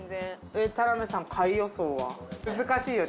田辺さん、下位予想は？